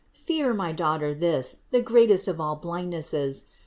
Fear, my daughter, this, the great est of all blindnesses.